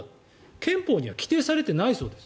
憲法には規定されてないそうです。